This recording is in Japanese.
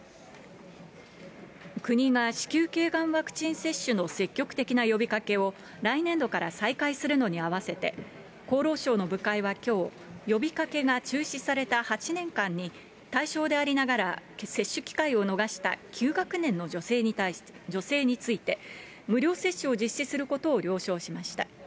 国が、子宮けいがんワクチン接種の積極的な呼びかけを、来年度から再開するのに合わせて、厚労省の部会はきょう、呼びかけが中止された８年間に、対象でありながら、接種機会を逃した９学年の女性について、無料接種を実施することを了承しました。